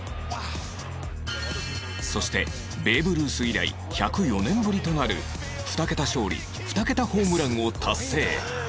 そしてベーブ・ルース以来１０４年ぶりとなる２桁勝利２桁ホームランを達成